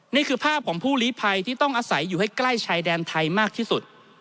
นี่คือภาพของผู้ลีภัยที่ต้องอาศัยอยู่ให้ใกล้ชายแดนไทยมากที่สุด